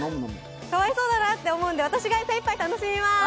かわいそうだなって思うので、私が精いっぱい楽しみます！